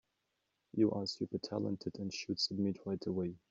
You are super talented and should submit right away.